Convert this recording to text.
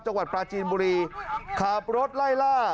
จังหวัดปลาจีนบุรีขับรถไล่ล่า